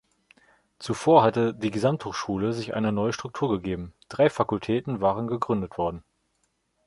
Zuvor hatte die Gesamthochschule sich eine neue Struktur gegeben, drei Fakultäten waren gegründet worden.